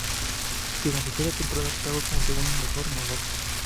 Finalizó la temporada octavo como segundo mejor novato.